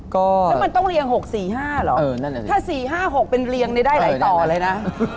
แล้วมันต้องเรียง๖๔๕เหรอถ้า๔๕๖เป็นเรียงได้หลายต่อเลยนะ